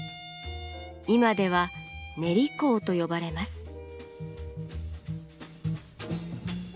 今では「練香」と呼ばれます。